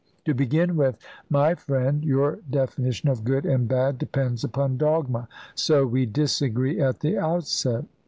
To begin with, my friend, your definition of good and bad depends upon dogma, so we disagree at the outset."